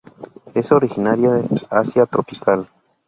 Es originaria del Asia tropical.